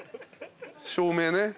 照明ね。